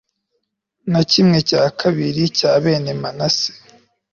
na kimwe cya kabiri cya bene manase